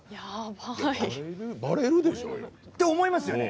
バレるでしょうよ。って思いますよね？